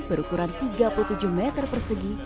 berukuran tiga puluh tujuh meter persegi